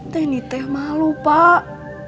denny teh malu pak